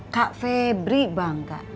kak febri bangga